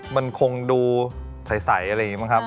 มันคงดูใสอะไรอย่างนี้บ้างครับ